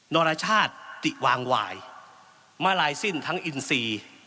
นรชาติวางวายมาลายสิ้นทั้งอินทรีย์